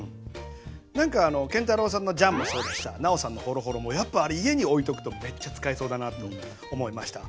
なんか建太郎さんの醤もそうだしさ尚さんのホロホロもやっぱあれ家に置いとくとめっちゃ使えそうだなと思いました。